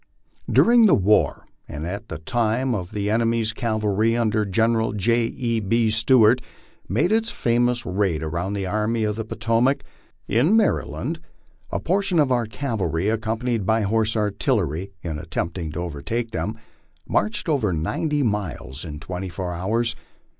During the war, and at the time the enemy's cavalry under General J. E. B. Stuart made its famous raid around the Army of the Potomac i Maryland, a portion of our cavalry, accompanied by horse artillery, in attempt ing to CTcTtake them, marched over ninety miles in twenty four hours.